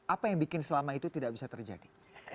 apa yang bikin selama itu tidak bisa terjadi